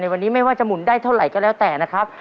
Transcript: วันนี้ไม่ว่าจะหมุนได้เท่าไหร่ก็แล้วแต่นะครับ